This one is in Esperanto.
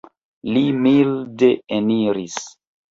Li milde eniris.